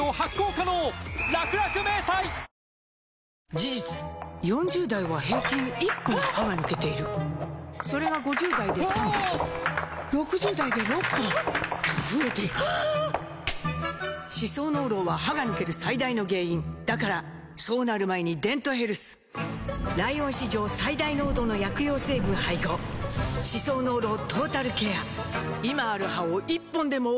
事実４０代は平均１本歯が抜けているそれが５０代で３本６０代で６本と増えていく歯槽膿漏は歯が抜ける最大の原因だからそうなる前に「デントヘルス」ライオン史上最大濃度の薬用成分配合歯槽膿漏トータルケア！